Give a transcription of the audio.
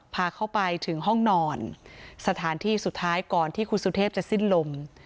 พาเข้าไปถึงห้องนอนสถานที่สุดท้ายก่อนที่คุณสุเทพจะสิ้นลม